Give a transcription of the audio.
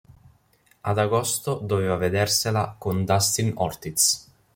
Ad agosto doveva vedersela con Dustin Ortiz.